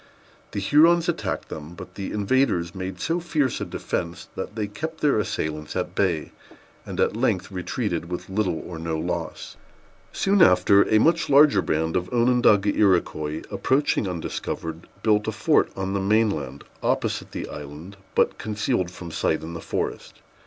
The Hurons attacked them; but the invaders made so fierce a defence, that they kept their assailants at bay, and at length retreated with little or no loss. Soon after, a much larger band of Onondaga Iroquois, approaching undiscovered, built a fort on the main land, opposite the island, but concealed from sight in the forest.